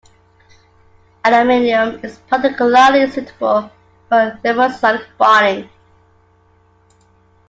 Aluminum is particularly suitable for thermosonic bonding.